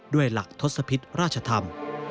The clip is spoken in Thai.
ด้วยหลักทศพิษราชธรรม